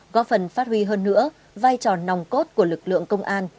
góp phần phát huy hơn nữa vai trò nòng cốt của lực lượng công an